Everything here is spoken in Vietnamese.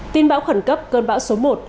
tin bão khẩn cấp cơn bão số một